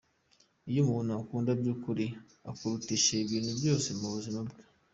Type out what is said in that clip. Iyo umuntu agukunda by’ukuri akurutisha ibintu byose mu buzima bwe.